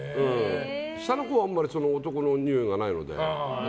下の子はあまり男の匂いがないので。